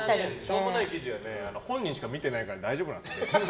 しょうもない記事は本人しか見てないから大丈夫なんですよ。